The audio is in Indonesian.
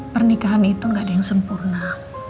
pernikahan itu gak ada yang sempurna